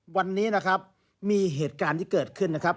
วันนี้นะครับมีเหตุการณ์ที่เกิดขึ้นนะครับ